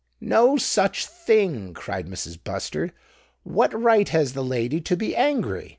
"No such a thing!" cried Mrs. Bustard. "What right has the lady to be angry?